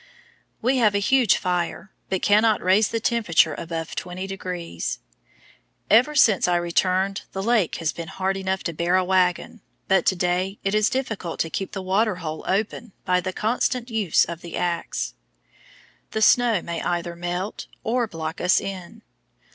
We have a huge fire, but cannot raise the temperature above 20 degrees. Ever since I returned the lake has been hard enough to bear a wagon, but to day it is difficult to keep the water hole open by the constant use of the axe. The snow may either melt or block us in.